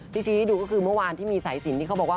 ชี้ให้ดูก็คือเมื่อวานที่มีสายสินที่เขาบอกว่า